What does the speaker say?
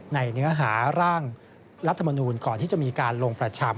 ในเนื้อหาร่างรัฐมนุน